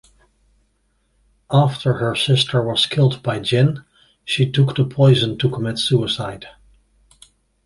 After her sister was killed by Gin, she took the poison to commit suicide.